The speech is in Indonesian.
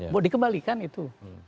mau dikembalikan itu